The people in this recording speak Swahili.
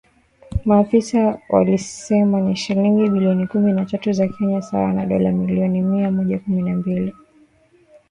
Maafisa walisema ni shilingi bilioni kumi na tatu za Kenya sawa na dola milioni mia moja kumi na mbili